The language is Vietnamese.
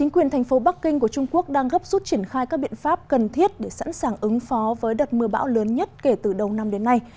quyền thành phố bắc kinh của trung quốc đang gấp rút triển khai các biện pháp cần thiết để sẵn sàng ứng phó với đợt mưa bão lớn nhất kể từ đầu năm đến nay